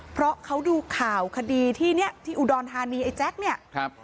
เพราะเขาดูข่าวคดีที่เนี้ยที่อุดรธานีไอ้แจ๊คเนี่ยครับ